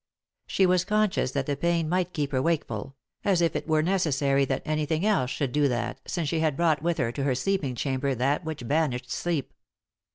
She was conscious that the pain might keep her wakeful — as if it were necessary that anything else should do that since she had brought with her to her sleeping chamber that which banished sleep.